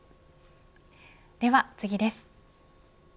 では次です。